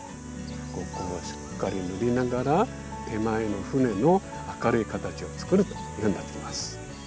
ここはしっかり塗りながら手前の船の明るい形を作るというふうになってきます。